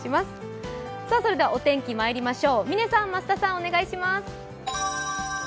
それではお天気まいりましょう。